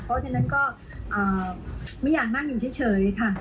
เพราะฉะนั้นก็ไม่อยากนั่งอยู่เฉยค่ะ